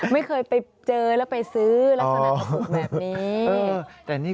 ไม่เคยไปเจอแล้วไปซื้อลักษณะถูกแบบนี้